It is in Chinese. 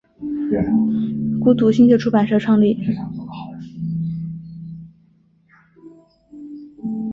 孤独星球出版社创立。